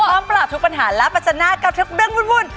ปราบทุกปัญหาและปัจจนากับทุกเรื่องวุ่น